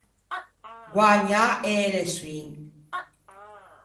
Guägnâ e eleçioin.